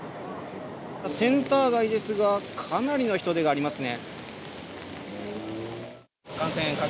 センター街ですがかなりの人出がありますね。